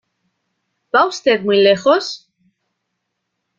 ¿ va usted muy lejos?